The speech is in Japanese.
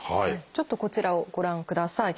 ちょっとこちらをご覧ください。